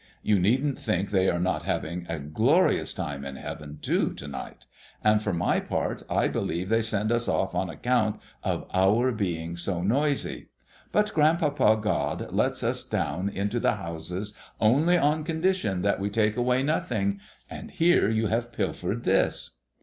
You needn't think they are not having a glorious time in heaven too to night; and for my part, I believe they send us off on account of our being so noisy. But Grandpapa God lets us go down into the houses only on condition that we take away nothing, and here you have pilfered this!"